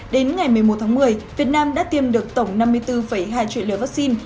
đến ngày một mươi một tháng một mươi việt nam đã tiêm được tổng năm mươi bốn hai triệu liều vaccine